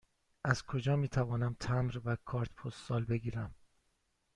از کجا می توانم تمبر و کارت پستال بگیرم؟